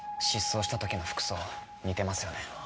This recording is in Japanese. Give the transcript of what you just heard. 失踪した時の服装似てますよね。